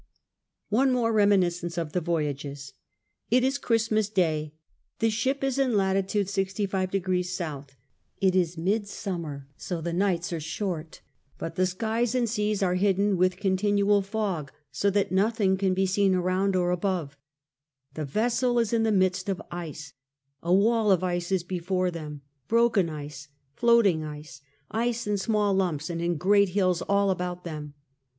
One more remini scence of the voyages. It is Christmas Day, the ship is in lat. GD'' S. It is midsummer, so that the nights are short j but the skies and seas are hidden with continual fog, so that nothing can be seen around or above ; the vessel is in the midst of ice, a wall of ice is before them, broken ice, floating ice, ice in small lumps and in great hills all about them.